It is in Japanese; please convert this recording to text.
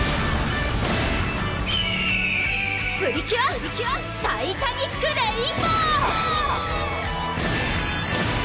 プリキュア・タイタニック・レインボー！